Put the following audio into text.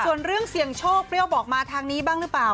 ส่วนเรื่องเสี่ยงโชคเปรี้ยวบอกมาทางนี้บ้างหรือเปล่า